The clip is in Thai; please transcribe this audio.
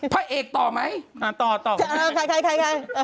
พระเอกต่อไหมต่ออะไรใคร